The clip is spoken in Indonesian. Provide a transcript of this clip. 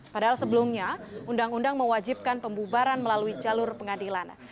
padahal sebelumnya undang undang mewajibkan pembubaran melalui jalur pengadilan